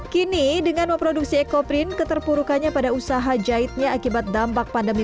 kini dengan memproduksi ekoprin keterpurukannya pada usaha jahitnya akibat dampak pandemi